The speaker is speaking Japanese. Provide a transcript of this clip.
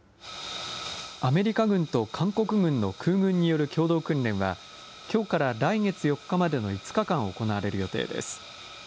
アメリカ軍と韓国軍の空軍による共同訓練は、きょうから来月４日までの５日間行われる予定です。